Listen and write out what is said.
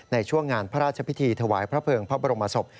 ในช่วงงานพระราชพิธีถวายพระเภิงพระบรมศพ